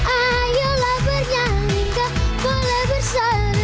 ayolah bernyanyi gak boleh bersanung